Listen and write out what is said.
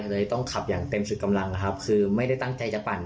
เลยต้องขับอย่างเต็มสุดกำลังครับคือไม่ได้ตั้งใจจะปั่น